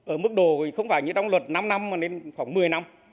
ở mức độ không phải như trong luật năm năm mà nên khoảng một mươi năm